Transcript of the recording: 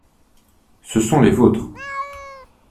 Ce sont les vôtres.